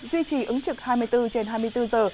duy trì ứng trực hai mươi bốn trên hai mươi bốn giờ